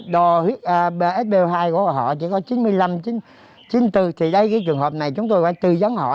đo huyết hai của họ chỉ có chín mươi năm chín mươi bốn thì đây cái trường hợp này chúng tôi phải tư vấn họ